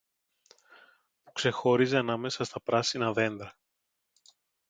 που ξεχώριζε ανάμεσα στα πράσινα δέντρα.